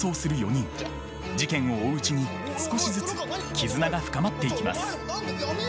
事件を追ううちに少しずつ絆が深まっていきます。